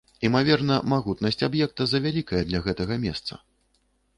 Імаверна, магутнасць аб'екта завялікая для гэтага месца.